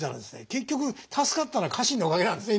結局助かったのは家臣のおかげなんですね